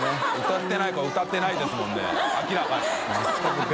歌ってない子は歌ってないですもんね